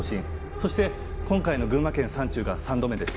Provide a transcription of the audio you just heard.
そして今回の群馬県山中が３度目です。